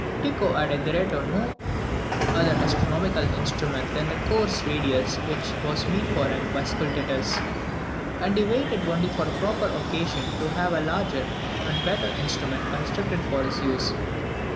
Tycho had hitherto no other astronomical instrument than the coarse radius which was made for him by Scultetus, and he waited only for a proper occasion to have a larger and better instrument constructed for his use.